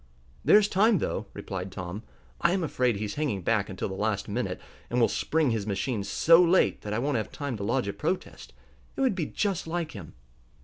"There's time enough," replied Tom. "I am afraid he's hanging back until the last minute, and will spring his machine so late that I won't have time to lodge a protest. It would be just like him."